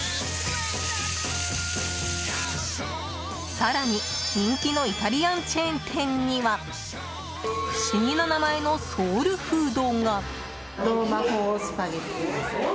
更に人気のイタリアンチェーン店には不思議な名前のソウルフードが。